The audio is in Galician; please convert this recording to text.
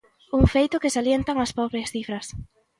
Un feito que salientan as propias cifras.